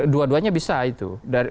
dua duanya bisa itu